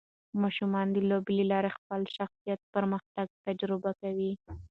ماشومان د لوبو له لارې د خپل شخصیت پرمختګ تجربه کوي.